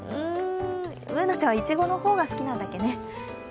Ｂｏｏｎａちゃんはいちごの方が好きなんだっけね。